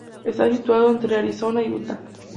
Está situado entre Arizona y Utah.